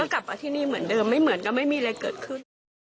กลับมาที่นี่เหมือนเดิมไม่เหมือนกับไม่มีอะไรเกิดขึ้น